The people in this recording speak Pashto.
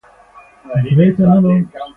له زده کوونکو سره په ادب او احترام خبرې کوي.